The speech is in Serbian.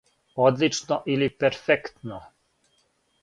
Одлично или перфектно.